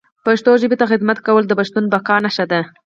پښتو ژبي ته خدمت کول د پښتون بقا نښه ده